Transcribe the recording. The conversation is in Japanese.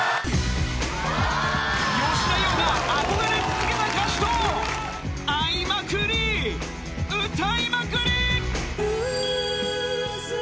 吉田羊が憧れ続けた歌手と会いまくり、歌いまくり。